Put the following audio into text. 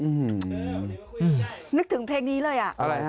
นึกถึงเพลงนี้เลยอ่ะอะไรฮะ